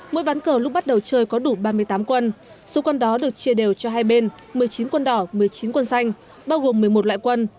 mỗi ván cờ lúc bắt đầu chơi có đủ ba mươi tám quân số quân đó được chia đều cho hai bên một mươi chín quân đỏ một mươi chín quân xanh bao gồm một mươi một loại quân